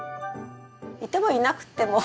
いてもいなくても。